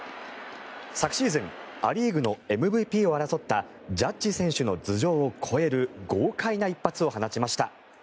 昨シーズンア・リーグのＭＶＰを争ったジャッジ選手の頭上を越える豪快な一発を放ちました。